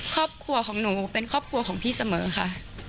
ครอบครัวของหนูเป็นครอบครัวของพี่เสมอค่ะ